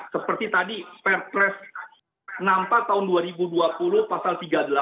seperti tadi perpres nampak tahun dua ribu dua puluh pasal tiga puluh delapan